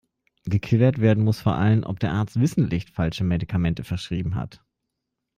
Geklärt werden muss vor allem, ob der Arzt wissentlich falsche Medikamente verschrieben hat.